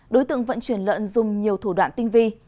đối tượng vận chuyển lợn dùng nhiều thủ đoạn tinh vi